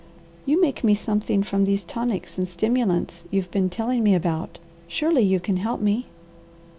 You make me something from these tonics and stimulants you've been telling me about. Surely you can help me!"